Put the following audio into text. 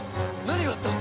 何があった？